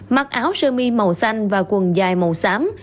mặc áo sơ mi màu xanh và quần dài màu xám